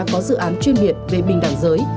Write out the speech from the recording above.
có dự án chuyên biệt về bình đẳng giới